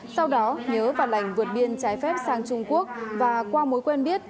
sau đó nhớ và lành vượt biên trái phép sang trung quốc và qua mối quen biết